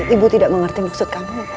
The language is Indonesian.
ibu tidak mengerti maksud kamu